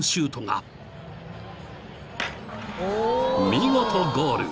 ［見事ゴール！］